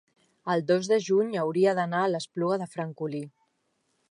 el dos de juny hauria d'anar a l'Espluga de Francolí.